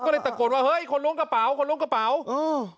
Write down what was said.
ก็เลยตะโกนว่าเฮ้ยคนล้วงกระเป๋าคนล้วงกระเป๋าเออ